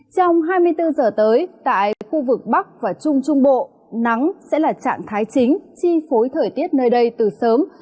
trong hai mươi bốn giờ tới tại khu vực bắc và trung trung bộ nắng sẽ là trạng thái chính chi phối thời tiết nơi đây từ sớm